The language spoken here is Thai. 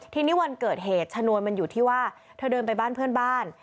ทีนี้วันเกิดเหตุชนวนมันอยู่ที่ว่าเธอเดินไปบ้านเพื่อนบ้าน